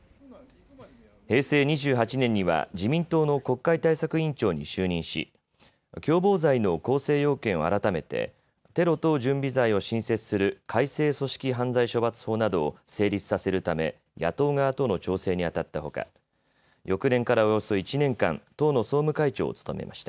平成２８年には自民党の国会対策委員長に就任し、共謀罪の構成要件を改めてテロ等準備罪を新設する改正組織犯罪処罰法などを成立させるため、野党側との調整にあたったほか翌年からおよそ１年間、党の総務会長を務めました。